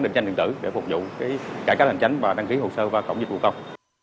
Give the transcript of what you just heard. định tranh điện tử để phục vụ cải cáo hành tránh và đăng ký hồ sơ và cộng dịch vụ công